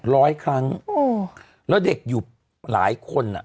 ร้อยครั้งโอ้แล้วเด็กอยู่หลายคนอ่ะ